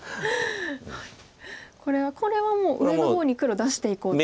これはもう上の方に黒出していこうと。